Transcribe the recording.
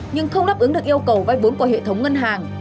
nhưng không đáp ứng được yêu cầu vay vốn của hệ thống ngân hàng